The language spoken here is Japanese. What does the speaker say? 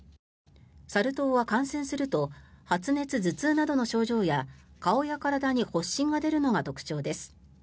サル痘は感染すると発熱、頭痛などの症状や顔や体に発疹が出るのが特徴です。